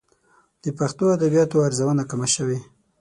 د پښتو ادبياتو ارزونه کمه شوې.